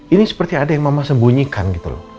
ini seperti ada yang mama sembunyikan gitu loh